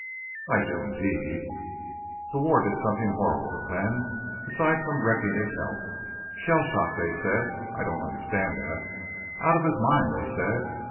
"I do—indeed." "The war did something horrible to Glenn aside from wrecking his health. Shell shock, they said! I don't understand that. Out of his mind, they said!